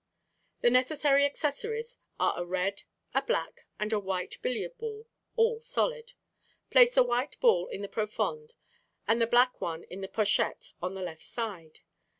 The necessary accessories are a red, a black, and a white billiard ball, all solid. Place the white ball in the profonde and the black one in the pochette on the left side.